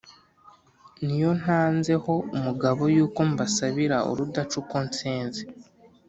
ni yo ntanze ho umugabo yuko mbasabira urudaca uko nsenze